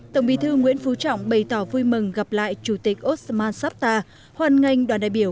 tổng bí thư nguyễn phú trọng bày tỏ vui mừng gặp lại chủ tịch osman safta hoàn ngành đoàn đại biểu